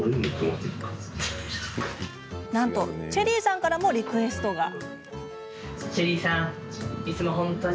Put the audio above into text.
なんと、チェリーさんからもリクエストが。